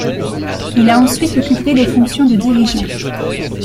Il a ensuite occupé des fonctions de dirigeant.